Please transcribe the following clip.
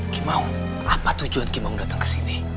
kimau apa tujuan kimau datang ke sini